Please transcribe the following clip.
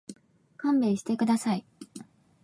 勘弁してください。